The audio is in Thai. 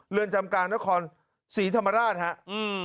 เรือนจำการนครศรีธรรมราชฮะอืม